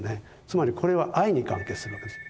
つまりこれは愛に関係するわけです。